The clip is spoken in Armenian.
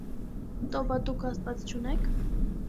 - Տո, բա դուք աստված չունե՞ք.